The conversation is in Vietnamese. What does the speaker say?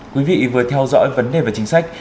quý vị vừa theo dõi vấn đề về chính sách